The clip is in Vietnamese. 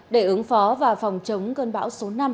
để ứng phó và phòng chống cơn bão số năm